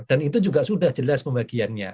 dan itu juga sudah jelas pembagiannya